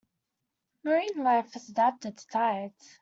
Marine life has adapted to tides.